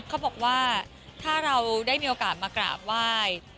เขาบอกว่าถ้าเราได้มีโอกาสมากราบไหว้